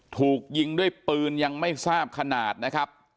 ถูกยิงด้วยปืนยังไม่ทราบขนาดนะครับ